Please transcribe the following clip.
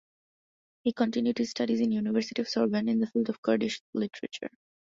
He continued his studies in University of Sorbonne in the field of Kurdish literature.